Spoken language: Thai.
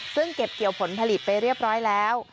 ซึ่งเก็บเกี่ยวผลผลิตไปเรียบร้อยแล้ว